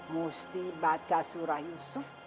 musti baca surah yusuf